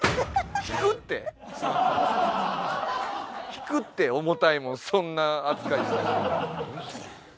引くって重たいもんそんな扱いしたら。